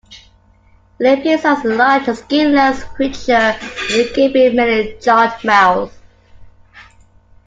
It appears as a large, skinless creature with a gaping many-jawed mouth.